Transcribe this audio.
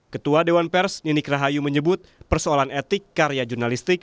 ketua dewan pers ninik rahayu menyebut persoalan etik karya jurnalistik